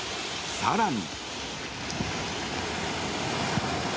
更に。